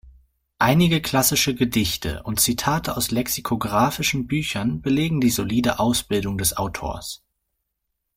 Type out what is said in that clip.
Einige klassische Gedichte und Zitate aus lexikographischen Büchern belegen die solide Ausbildung des Autors.